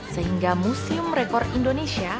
sehingga museum rekor indonesia